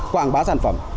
quảng bá sản phẩm